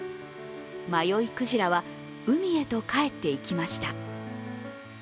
迷いクジラは海へとかえっていきました。